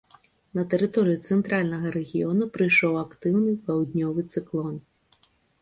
На тэрыторыю цэнтральнага рэгіёну прыйшоў актыўны паўднёвы цыклон.